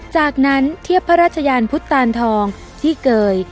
จากนั้นเทียบพระราชยานพุทธตานทองที่เกย